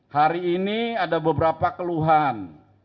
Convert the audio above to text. hari ini ada beberapa keluhan